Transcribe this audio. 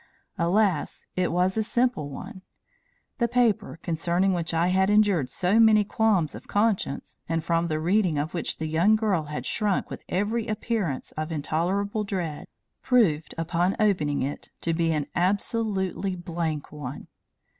Alas, it was a simple one! The paper concerning which I had endured so many qualms of conscience, and from the reading of which the young girl had shrunk with every appearance of intolerable dread, proved upon opening it to be an absolutely blank one.